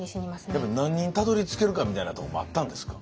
やっぱり何人たどりつけるかみたいなとこもあったんですか？